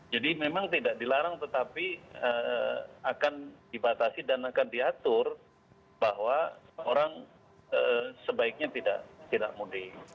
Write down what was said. jadi memang tidak dilarang tetapi akan dibatasi dan akan diatur bahwa orang sebaiknya tidak mudik